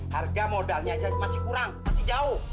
harga modalnya masih kurang masih jauh